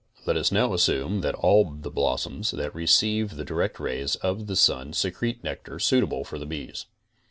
Let us now assume that all the blossoms that receive the direct rays of the sun secrete nectar suitable for the bees.